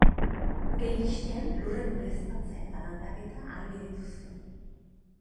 Ura iristean, lurren ureztatzea eta landaketa ahalbidetu zuen.